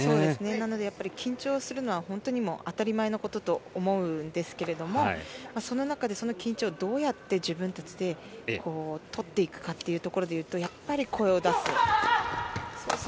なので緊張するのは本当に当たり前のことと思うんですがその中でその緊張をどうやって自分たちで取っていくかということでいうとやっぱり声を出す。